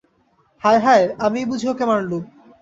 হায় হায়, আমিই বুঝি ওকে মারলুম।